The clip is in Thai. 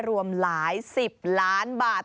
รวมหลาย๑๐ล้านบาท